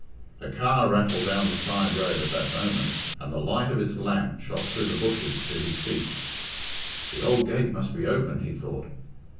A car rattled down the side road at that moment, and the light of its lamp shot through the bushes to his feet. "The ould gate must be open," he thought.